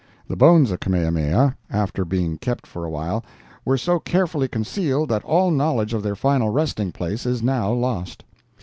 The bones of Kamehameha, after being kept for a while, were so carefully concealed that all knowledge of their final resting place is now lost.